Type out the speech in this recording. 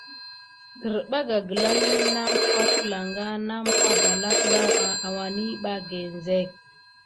Derbaga gla i nəmpa wəlanga nampa balak nawa awaniɓa ginzek.